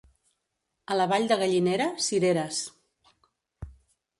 A la Vall de Gallinera, cireres.